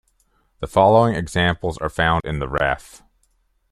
The following examples are found in the Ref.